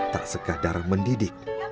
tak sekadar mendidik